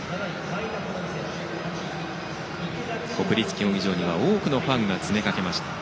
国立競技場には多くのファンが詰め掛けました。